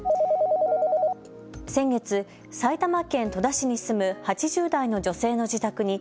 先月、埼玉県戸田市に住む８０代の女性の自宅に